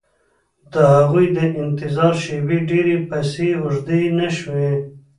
د هغوی د انتظار شېبې ډېرې پسې اوږدې نه شوې